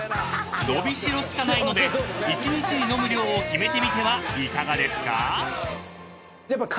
［伸びしろしかないので一日に飲む量を決めてみてはいかがですか？］